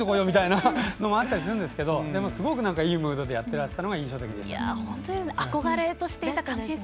みたいなのが出てきたりするんですけどすごくいいムードでやってらしたのが印象的でした。